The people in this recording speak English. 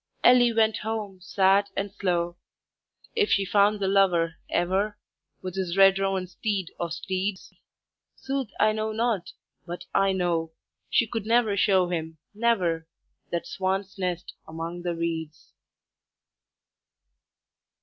Ellie went home sad and slow. If she found the lover ever, With his red roan steed of steeds, Sooth I know not! but I know She could never show him never, That swan's nest among the reeds.